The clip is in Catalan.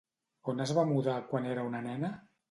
On es va mudar quan era una nena?